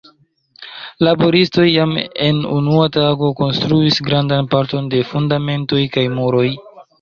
Laboristoj jam en unua tago konstruis grandan parton de fundamentoj kaj muroj.